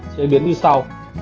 chế biến như sau